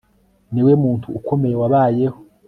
Niwe muntu ukomeye wabayeho